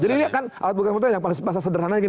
jadi ini kan alat bukti yang paling sederhana